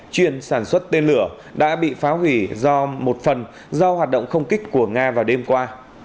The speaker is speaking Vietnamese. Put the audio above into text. chuyên sản xuất tên lửa đã bị phá hủy do một phần do hoạt động không kích của nga vào đêm qua